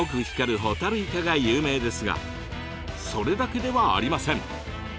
光るホタルイカが有名ですがそれだけではありません！